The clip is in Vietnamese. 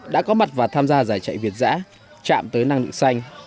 đã có mặt và tham gia giải chạy việt giã chạm tới năng lượng xanh